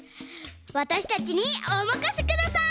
わたしたちにおまかせください！